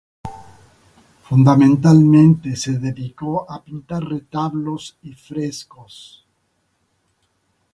Fundamentalmente se dedicó a pintar retablos y frescos.